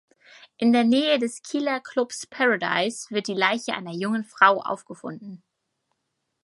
In der Nähe des Kieler Clubs Paradise wird die Leiche einer jungen Frau aufgefunden.